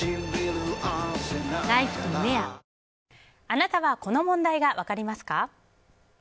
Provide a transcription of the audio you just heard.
あなたはこの問題が分かりますか？